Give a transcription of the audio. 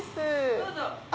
どうぞ。